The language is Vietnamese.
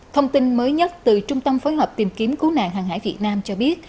thông tin mới nhất từ trung tâm phối hợp tìm kiếm cứu nạn hàng hải việt nam cho biết